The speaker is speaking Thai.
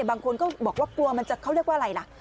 บางคนก็บอกว่ากลัวมันจะเขาเรียกว่าอะไรล่ะ